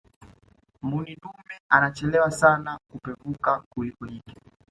mbuni dume anachelewa sana kupevuka kuliko jike